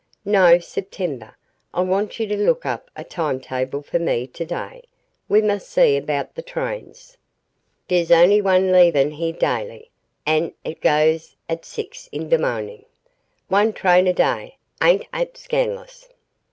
"No; September. I want you to look up a timetable for me to day. We must see about the trains." "Dey's on'y one leavin' heah daily, an' hit goes at six in de mo'nin'. One train a day! Ain' 'at scan'lous?"